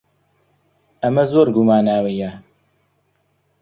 ئەمە زۆر گوماناوییە.